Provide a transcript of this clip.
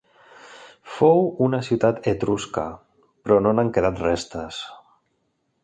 Fou una ciutat etrusca però no n'han quedat restes.